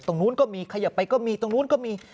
ตรงนู้นก็มีขยับไปก็มีตรงนู้นก็มี